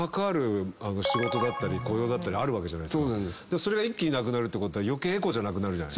それが一気になくなるってことは余計エコじゃなくなるじゃない。